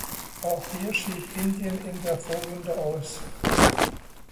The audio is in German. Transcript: Auch hier schied Indien in der Vorrunde aus.